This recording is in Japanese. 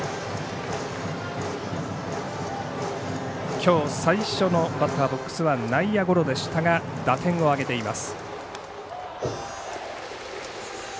きょう最初のバッターボックスは内野ゴロでしたが打点を挙げています。